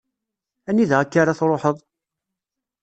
Anida akk-a ara truḥeḍ?